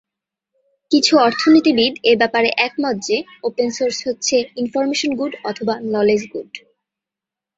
কিছু অর্থনীতিবিদ এ ব্যাপারে একমত যে, ওপেন সোর্স হচ্ছে ইনফরমেশন গুড অথবা নলেজ গুড।